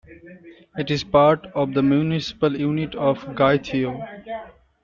It is part of the municipal unit of Gytheio.